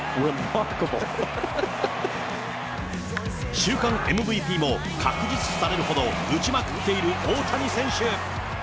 週間ＭＶＰも確実視されるほど、打ちまくっている大谷選手。